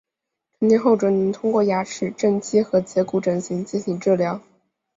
成年后只能通过牙齿正畸和截骨整形进行治疗。